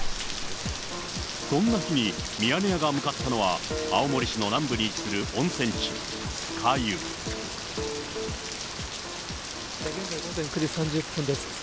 そんな日に、ミヤネ屋が向かったのは、青森市の南部に位置する温現在午前九時３０分です。